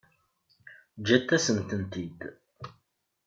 Ǧǧant-asent-tent-id.